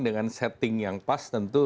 dengan setting yang pas tentu